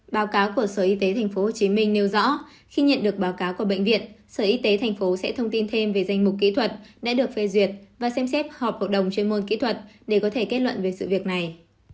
báo cáo của sở y tế tp hcm nêu rõ khi nhận được báo cáo của bệnh viện sở y tế tp sẽ thông tin thêm về danh mục kỹ thuật đã được phê duyệt và xem xét họp hội đồng chuyên môn kỹ thuật để có thể kết luận về sự việc này